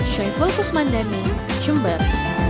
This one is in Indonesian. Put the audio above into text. syekh fokus mandani jember